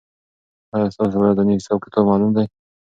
آیا ستا ورځنی حساب کتاب معلوم دی؟